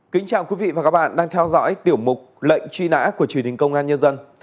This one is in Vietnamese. kính chào quý vị và các bạn đang theo dõi tiểu mục lệnh truy nã của truyền hình công an nhân dân